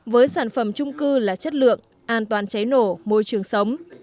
với sản phẩm trung cư là chất lượng an toàn cháy nổ môi trường sống